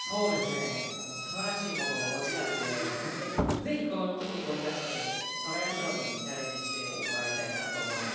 すばらしいものをお持ちなのでぜひ、この筋肉を生かしてトライアスロンにチャレンジしてもらいたいなと思います。